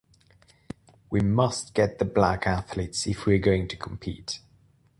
We must get the black athletes if we're going to compete.